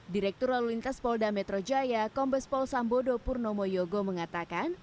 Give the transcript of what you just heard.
direktur lalu lintas polda metro jaya kombes pol sambodo purnomo yogo mengatakan